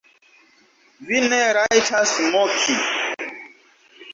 Vi ne rajtas moki!